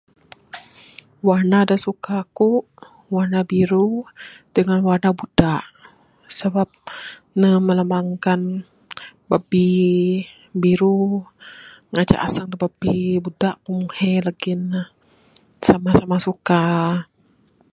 Warna de suka ku, warna biru dengan warna budak, sebab ne, melambangkan bebi, biru ngajah aseng edep bebi budak mung heh legi nek, samah-samah suka.